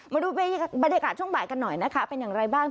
มาดูบรรยากาศช่วงบ่ายกันหน่อยนะคะเป็นอย่างไรบ้าง